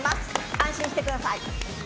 安心してください。